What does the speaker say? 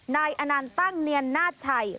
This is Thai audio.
นายอนานตั้งเนียนนาตรชัย